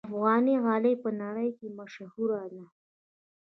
افغاني غالۍ په نړۍ کې مشهوره ده.